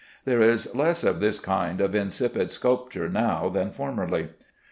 There is less of this kind of insipid sculpture now than formerly.